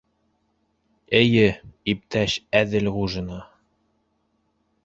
Эйе, иптәш Әҙелғужина!